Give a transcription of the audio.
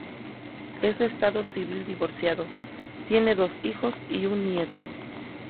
Es de estado civil divorciado, tiene dos hijos y un nieto.